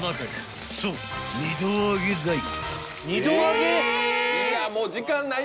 ［そう２度揚げだい！］